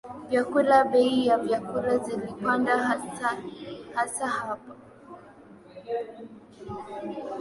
vyakula bei ya vyakula zilipanda hasahasa hapa